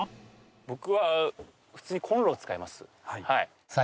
僕は普通にコンロを使います。